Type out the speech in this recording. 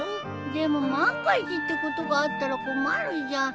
でも万が一ってことがあったら困るじゃん。